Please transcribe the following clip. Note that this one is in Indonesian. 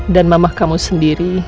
dan mama kamu sendiri